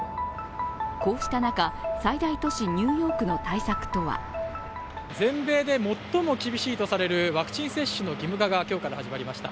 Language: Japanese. こうした中、最大都市ニューヨークの対策とは。全米で最も厳しいとされるワクチン接種の義務化が今日から始まりました。